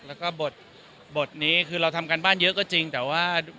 แล้วก็บทนี้คือเราทำการบ้านเยอะก็จริงแต่ว่า